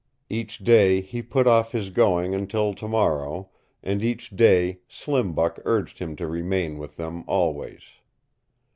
Each day he put off his going until tomorrow, and each day Slim Buck urged him to remain with them always.